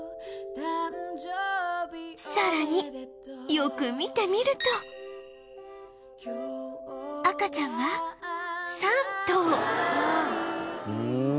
さらによく見てみると赤ちゃんは３頭